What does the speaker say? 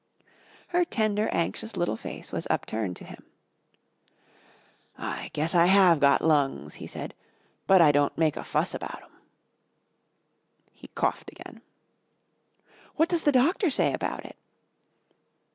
Her tender, anxious little face was upturned to him. "I guess I have got lungs," he said, "but I don't make a fuss about 'em." He coughed again. "What does the doctor say about it?"